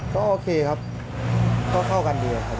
ก็โอเคครับก็เข้ากันดีครับ